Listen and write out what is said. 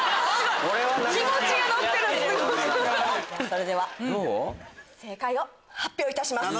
それでは正解を発表いたします。